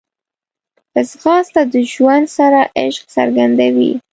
ځغاسته د ژوند سره عشق څرګندوي